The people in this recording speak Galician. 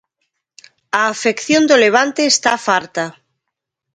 A afección do Levante está farta.